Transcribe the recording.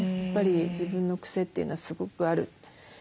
やっぱり自分のクセというのはすごくある。